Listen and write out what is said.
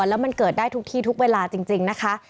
แล้วมันเกิดได้ทุกที่ทุกเวลาจริงนะคะ